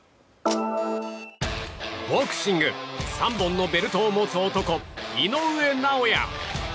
ボクシング３本のベルトを持つ男井上尚弥。